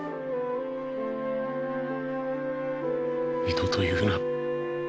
二度と言うな。